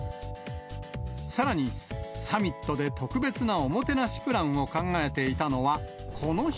さらに、サミットで特別なおもてなしプランを考えていたのはこの人。